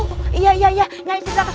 tidak mungkin terkena prabu